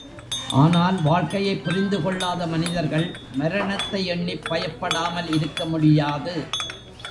ஆனால், வாழ்க்கையைப் புரிந்து கொள்ளாத மனிதர்கள் மரணத்தை எண்ணிப் பயப்படாமல் இருக்க முடியாது.